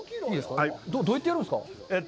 どうやってやるんですか？